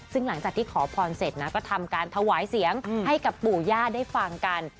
ซึ่งหลังจากที่ขอพรเสร็จนะก็ทำการถวายเสียงให้กับปู่ย่าได้ฟังกัน